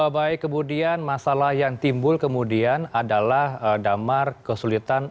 baik kemudian masalah yang timbul kemudian adalah damar kesulitan